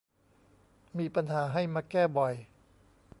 มีปัญหาให้มาแก้บ่อย